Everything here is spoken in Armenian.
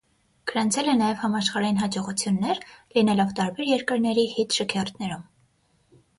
Գրանցել է նաև համաշխարհային հաջողություններ՝ լինելով տարբեր երկրների հիթ շքերթներում։